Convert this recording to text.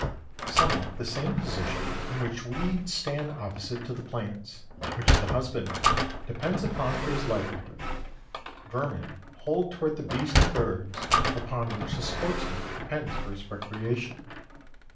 Somewhat the same position in which weeds stand opposed to the plants which the husbandman depends upon for his livelihood, vermin hold toward the beasts and birds upon which the sportsman depends for his recreation.